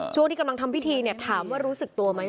ช่วงที่กำลังทำพิธีเนี่ยถามว่ารู้สึกตัวไหม